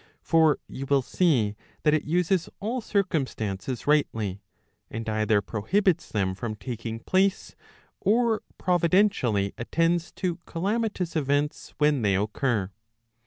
For you will see that it uses all circumstances rightly, and either prohibits them from taking place, or providentially attends to calamitous events when they occur.